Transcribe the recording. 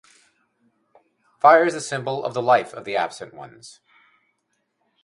Fire is the symbol of the life of the absent ones.